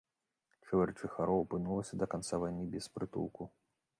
Чвэрць жыхароў апынулася да канца вайны без прытулку.